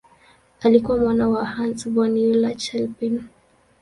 Alikuwa mwana wa Hans von Euler-Chelpin.